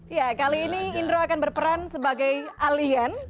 ya kali ini indro akan berperan sebagai alien